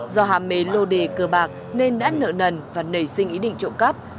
do hạ mế lô đề cờ bạc nên đã nợ nần và nảy sinh ý định trụ cấp